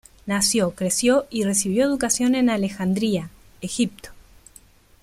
Nació, creció y recibió educación en Alejandría, Egipto.